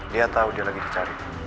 dia tahu dia lagi dicari